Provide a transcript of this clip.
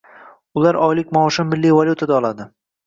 Ular oylik maoshini milliy valyutada oladi